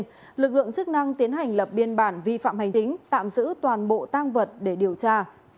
tại bình định lực lượng chức năng tiến hành lập biên bản vi phạm hành tính tạm giữ toàn bộ tang vật để điều tra